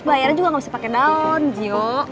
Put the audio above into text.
bayarnya juga nggak bisa pakai daun ji